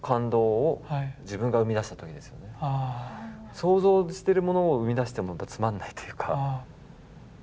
想像してるものを生み出してもつまんないというか。